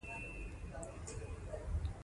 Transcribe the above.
پنسل د نښې اېښودلو لپاره هم استعمالېږي.